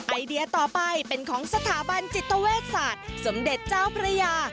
ไอเดียต่อไปเป็นของสถาบันจิตเวชศาสตร์สมเด็จเจ้าพระยา